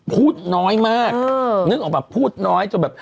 พูดน้อยมากนึกออกแบบพูดน้อยจนแบบ